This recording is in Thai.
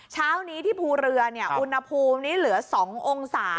เช้านี้ที่ภูเรืออุณหภูมินี้เหลือ๒องศา